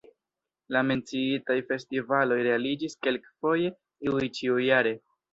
La menciitaj festivaloj realiĝis kelkfoje, iuj ĉiujare.